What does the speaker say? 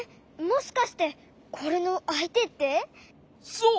そう！